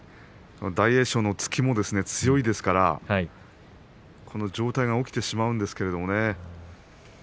大栄翔の突きも強いですから上体が起きてしまうんですけれどもね。